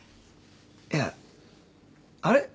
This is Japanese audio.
いやあれ？